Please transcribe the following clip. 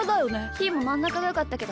ひーもまんなかがよかったけど。